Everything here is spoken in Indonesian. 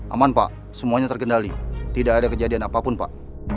aman pak semuanya terkendali tidak ada kejadian apapun pak